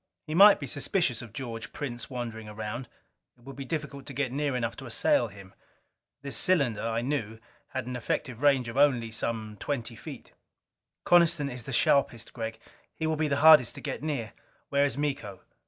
He might be suspicious of George Prince wandering around: it would be difficult to get near enough to assail him. This cylinder, I knew, had an effective range of only some twenty feet. "Coniston is the sharpest, Gregg. He will be the hardest to get near." "Where is Miko?"